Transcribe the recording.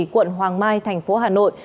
quận hoàng mai thành phố hà nội